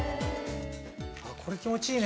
これ気持ちいいね。